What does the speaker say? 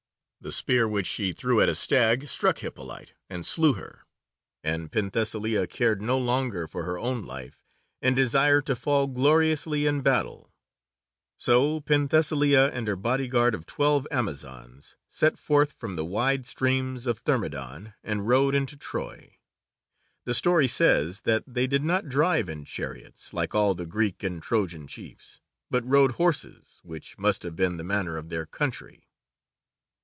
The spear which she threw at a stag struck Hippolyte and slew her, and Penthesilea cared no longer for her own life, and desired to fall gloriously in battle. So Penthesilea and her bodyguard of twelve Amazons set forth from the wide streams of Thermodon, and rode into Troy. The story says that they did not drive in chariots, like all the Greek and Trojan chiefs, but rode horses, which must have been the manner of their country.